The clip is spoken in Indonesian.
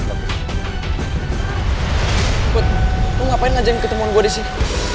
buat lu ngapain ngajakin ketemuan gue disini